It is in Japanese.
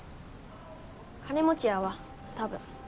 金持ちやわ多分。